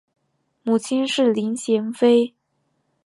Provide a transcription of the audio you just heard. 母亲是林贤妃。